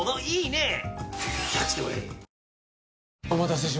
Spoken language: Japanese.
いいね！